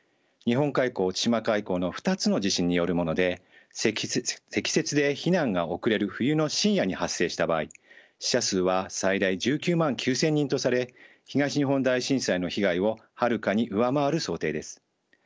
日本海溝千島海溝の２つの地震によるもので積雪で避難が遅れる冬の深夜に発生した場合死者数は最大１９万９，０００人とされ東日本大震災の被害をはるかに上回る想定です。